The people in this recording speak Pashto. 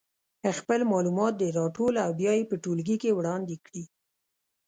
خپل معلومات دې راټول او بیا یې په ټولګي کې وړاندې کړي.